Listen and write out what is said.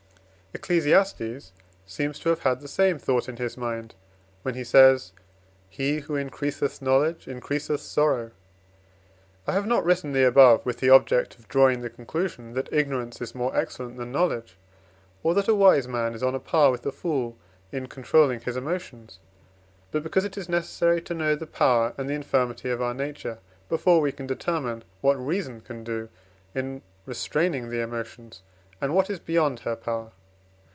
Ecclesiastes seems to have had the same thought in his mind, when he says, "He who increaseth knowledge increaseth sorrow." I have not written the above with the object of drawing the conclusion, that ignorance is more excellent than knowledge, or that a wise man is on a par with a fool in controlling his emotions, but because it is necessary to know the power and the infirmity of our nature, before we can determine what reason can do in restraining the emotions, and what is beyond her power.